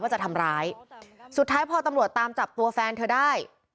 จะทำร้ายสุดท้ายพอตำรวจตามจับตัวแฟนเธอได้